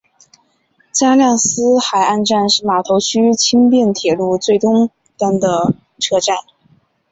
加量斯河岸站是码头区轻便铁路最东端的车站。